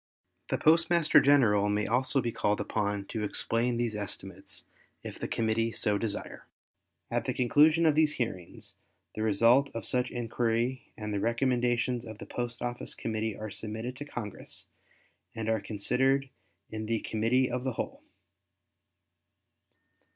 The Postmaster General may also be called upon to explain these estimates if the Committee so desire. At the conclusion of these hearings, the result of such inquiry and the recommendations of the Post Office Committee are submitted to Congress and are considered in Committee of the Whole.